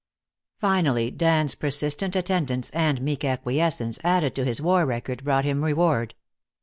Finally Dan's persistent attendance and meek acquiescence, added to his war record, brought him reward.